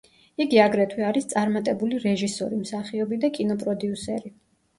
იგი აგრეთვე არის წარმატებული რეჟისორი, მსახიობი და კინოპროდიუსერი.